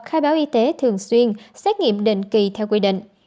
khai báo y tế thường xuyên xét nghiệm định kỳ theo quy định